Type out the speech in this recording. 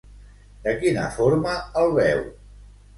De quina forma el veu?